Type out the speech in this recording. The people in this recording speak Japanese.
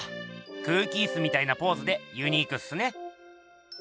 空気イスみたいなポーズでユニークっすね。